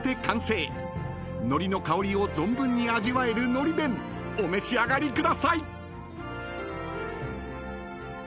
［のりの香りを存分に味わえるのり弁お召し上がりください］